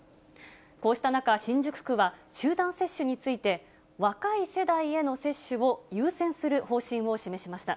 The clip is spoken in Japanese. こうした中、新宿区は集団接種について、若い世代への接種を優先する方針を示しました。